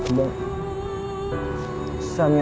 samiallahu lima muhammadah